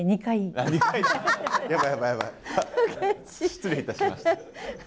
失礼いたしました。